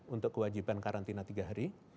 untuk kewajiban karantina tiga hari